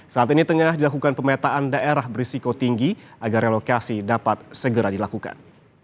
saat ini tengah dilakukan pemetaan daerah berisiko tinggi agar relokasi dapat segera dilakukan